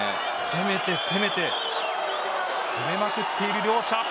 攻めて攻めて攻めまくっている両者。